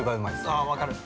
◆あー分かる。